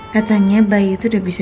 katanya bayi itu udah bisa